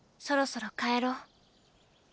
そろそろ帰ろう。